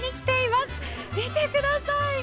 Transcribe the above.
見てください！